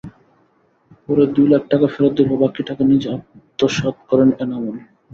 পরে দুই লাখ টাকা ফেরত দিলেও বাকি টাকা নিজে আত্মসাৎ করেন এনামুল।